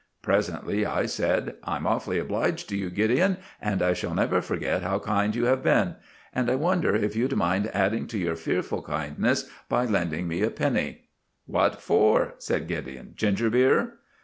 Presently I said, "I'm awfully obliged to you, Gideon, and I shall never forget how kind you have been. And I wonder if you'd mind adding to your fearful kindness by lending me a penny." "What for?" said Gideon; "ginger beer?"